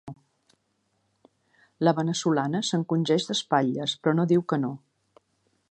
La veneçolana s'encongeix d'espatlles, però no diu que no.